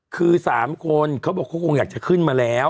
คือ๓คนเขาบอกเขาคงอยากจะขึ้นมาแล้ว